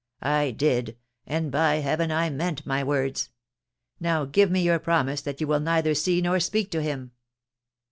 * I did — and by heaven I meant my words ! Now give me your promise that you will neither see nor speak to him.'